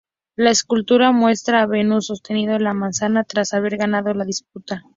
La escultura muestra a Venus sosteniendo la manzana tras haber ganado la disputa.